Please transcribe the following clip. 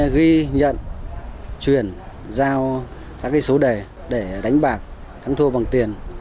chứng nhận chuyển giao các số đề để đánh bạc thắng thua bằng tiền